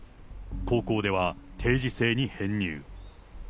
高校では、定時制に編入。